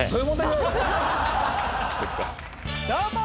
どうも！